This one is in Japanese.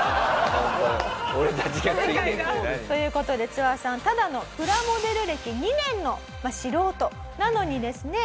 という事でツワさんただのプラモデル歴２年の素人なのにですね